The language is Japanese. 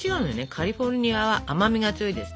カリフォルニアは甘みが強いです。